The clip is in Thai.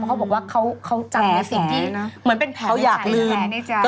เพราะเขาบอกว่าเขาจำในสิ่งที่เหมือนเป็นแผลในใจ